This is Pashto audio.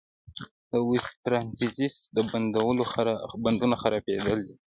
د اوسټیوارتریتس د بندونو خرابېدل دي.